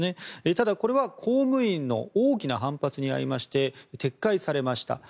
ただ、これは公務員の大きな反発に遭いまして撤回されました。